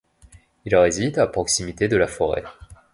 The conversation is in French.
Il réside à proximité de la forêt.